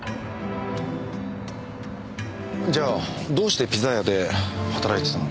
じゃあどうしてピザ屋で働いてたの？